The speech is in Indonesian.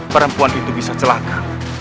perempuan itu bisa celaka